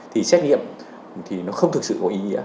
thì xét nghiệm thì nó không thực sự có ý nghĩa